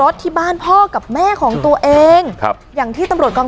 สลับผัดเปลี่ยนกันงมค้นหาต่อเนื่อง๑๐ชั่วโมงด้วยกัน